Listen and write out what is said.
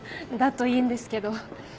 だといいんですけど。